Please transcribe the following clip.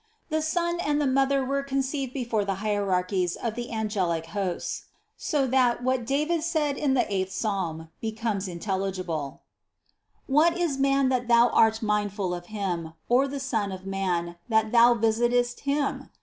The Son and the Mother were conceived before the hierarchies of the angelic hosts, so, that, what David said in the eighth psalm, becomes intelligible: "What is man that Thou art mindful of him, or the son of man, that Thou visitest him?